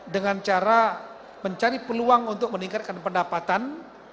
dengan cara mencari peluang untuk meningkatkan pendapatan